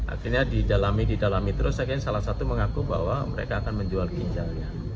akhirnya didalami didalami terus akhirnya salah satu mengaku bahwa mereka akan menjual ginjalnya